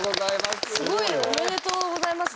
おめでとうございます。